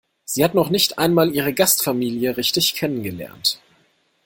Sie hat noch nicht einmal ihre Gastfamilie richtig kennengelernt.